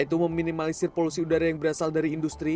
yaitu meminimalisir polusi udara yang berasal dari industri